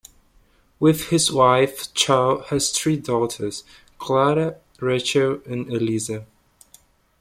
With his wife, Chow has three daughters, Clara, Rachel, and Elisa.